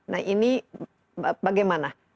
nah ini bagaimana